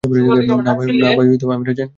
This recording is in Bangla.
না ভাই আমি রাজি হয়নি।